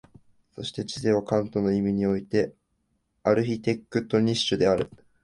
そして知性はカントの意味においてアルヒテクトニッシュである。